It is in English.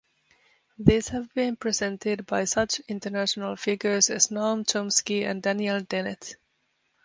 These have been presented by such international figures as Noam Chomsky and Daniel Dennett.